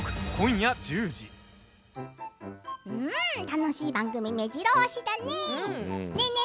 楽しい番組めじろ押しだね。